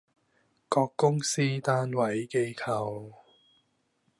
各單位，公司，機構